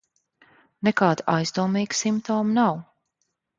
Nekādu aizdomīgu simptomu nav.